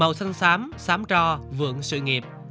màu xanh xám xám trò vượng sự nghiệp